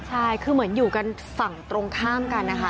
ใช่คือเหมือนอยู่กันฝั่งตรงข้ามกันนะคะ